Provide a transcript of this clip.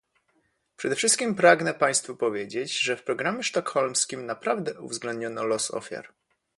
Przede wszystkim pragnę państwu powiedzieć, że w programie sztokholmskim naprawdę uwzględniono los ofiar